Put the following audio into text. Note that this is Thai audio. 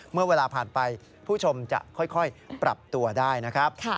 เมื่อเวลาผ่านไปผู้ชมจะค่อยปรับตัวได้นะครับ